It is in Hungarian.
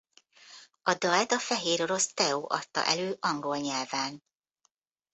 A dalt a fehérorosz Teo adta elő angol nyelven.